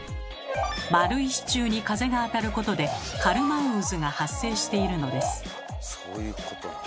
丸い支柱に風が当たることでカルマン渦が発生しているのです。